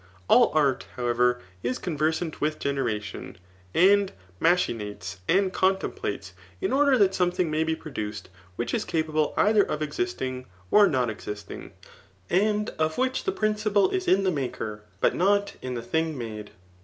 All art, howeveri is conversant with generation, and machinates and con* Digitized by Google 916 THE KICOMACHEAN BOOK Vr» templates m order that something may be produced which is capable either of existing, or not existing ; and of which the principle is in the maker, but not in the thing made.